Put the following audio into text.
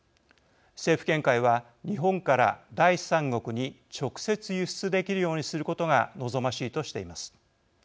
政府見解は日本から第三国に直接輸出できるようにすることが望ましいとしています。